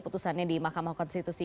putusannya di makamah konstitusi